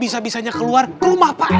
bisa bisanya keluar rumah pak rt lagi